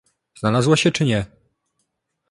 "Znalazła się, czy nie?"